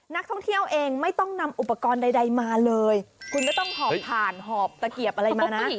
นักท่องเที่ยวเองไม่ต้องนำอุปกรณ์ใดมาเลยคุณไม่ต้องหอบถ่านหอบตะเกียบอะไรมานะ